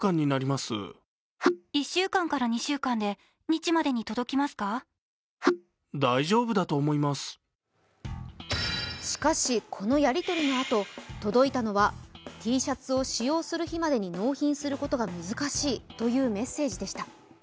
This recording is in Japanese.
その内容がしかし、このやり取りの後、届いたのはＴシャツを使用する日までに納品することが難しいというメッセージでした。